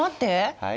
はい？